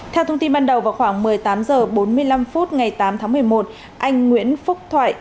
theo thông tin ban đầu vào khoảng một mươi tám h bốn mươi năm phút ngày tám tháng một mươi một anh nguyễn phúc thoại